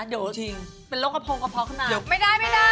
ตอนนี้จะเป็นโรคกระโพงกะเพาะขึ้นมา